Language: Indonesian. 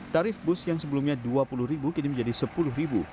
tarif bus yang sebelumnya dua puluh ribu kini menjadi sepuluh ribu